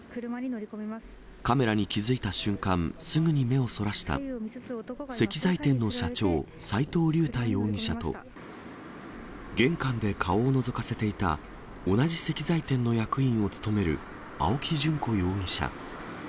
カメラに気付いた瞬間、すぐに目をそらした、石材店の社長、斎藤竜太容疑者と、玄関で顔をのぞかせていた、同じ石材店の役員を務める青木淳子容疑者。